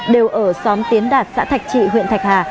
đều ở xóm tiến đạt xã thạch trị huyện thạch hà